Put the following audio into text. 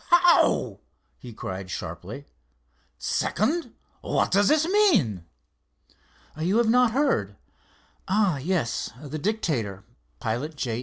"How?" he cried sharply. "Second? what does this mean?" "You had not heard? Ah, yes, the Dictator, pilot J.